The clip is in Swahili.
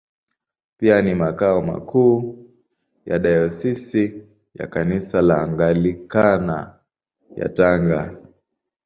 Pia ni makao makuu ya Dayosisi ya Kanisa la Anglikana ya Tanga.